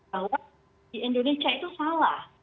bahwa di indonesia itu salah